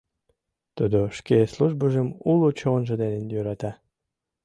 Тудо шке службыжым уло чонжо дене йӧрата.